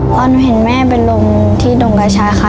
ตอนหนูเห็นแม่เป็นลมที่ดงกระชายค่ะ